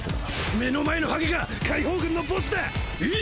目の前のハゲが解放軍のボスだ！え！？